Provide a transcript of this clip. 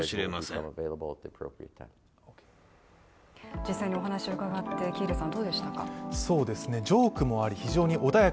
実際にお話を伺って、どうでしたか？